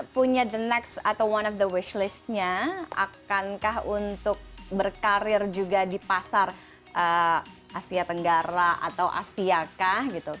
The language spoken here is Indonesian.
punya the next atau one of the wish list nya akankah untuk berkarir juga di pasar asia tenggara atau asiakah gitu